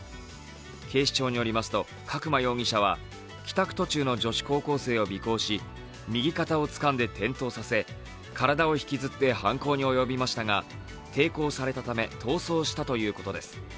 警視庁によりますと、角間容疑者は帰宅途中の女子高校生を尾行し右肩をつかんで転倒させ体を引きずって犯行に及びましたが抵抗されたため逃走したということです。